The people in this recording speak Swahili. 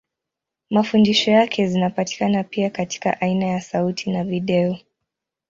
Mafundisho yake zinapatikana pia katika aina ya sauti na video.